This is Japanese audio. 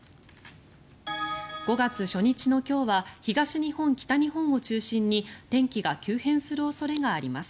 ５月初日の今日は東日本、北日本を中心に天気が急変する恐れがあります。